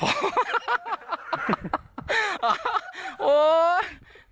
โอ้ย